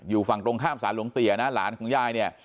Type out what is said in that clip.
อยู่ฝั่งตรงข้ามศาลหลวงเตี๋ยนะหลานของยายเนี่ย